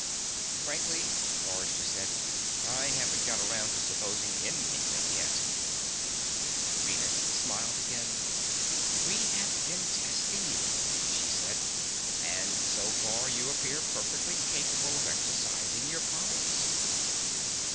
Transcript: "Frankly," Forrester said, "I haven't got around to supposing anything yet." Venus smiled again. "We have tested you," she said, "and so far you appear perfectly capable of exercising your powers."